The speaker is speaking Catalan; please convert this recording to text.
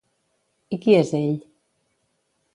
I qui és ell?